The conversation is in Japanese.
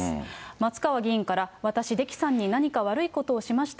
松川議員から、私、出来さんに何か悪いことしました？